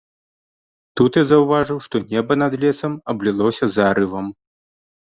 Тут я заўважыў, што неба за лесам аблілося зарывам.